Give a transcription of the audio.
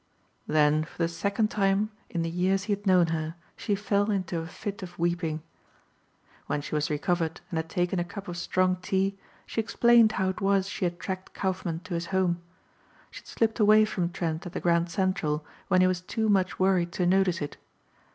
Then for the second time in the years he had known her she fell into a fit of weeping. When she was recovered and had taken a cup of strong tea she explained how it was she had tracked Kaufmann to his home. She had slipped away from Trent at the Grand Central when he was too much worried to notice it.